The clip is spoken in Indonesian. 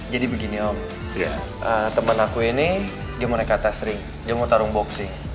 jadi begini om teman aku ini dia mau naik kata sering dia mau tarung boxing